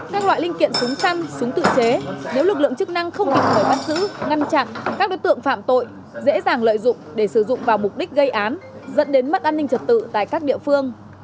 các loại linh kiện súng săn súng tự chế nếu lực lượng chức năng không kịp thời bắt giữ ngăn chặn các đối tượng phạm tội dễ dàng lợi dụng để sử dụng vào mục đích gây án dẫn đến mất an ninh trật tự tại các địa phương